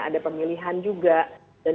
ada pemilihan juga dan